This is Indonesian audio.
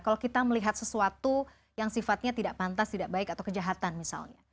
kalau kita melihat sesuatu yang sifatnya tidak pantas tidak baik atau kejahatan misalnya